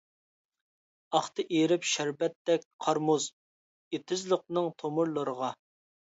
ئاقتى ئېرىپ شەربەتتەك قار-مۇز، ئېتىزلىقنىڭ تومۇرلىرىغا.